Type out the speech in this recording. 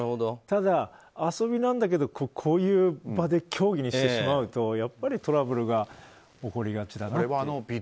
ただ、遊びなんだけどこういう場で競技にしてしまうとやっぱりトラブルが起こりがちだなという。